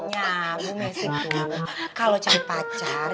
ya ibu messi tuh kalo cari pacar